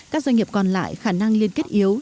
các doanh nghiệp còn lại khả năng liên kết yếu